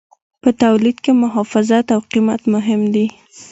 په تولید کې محافظت او قیمت مهم دي.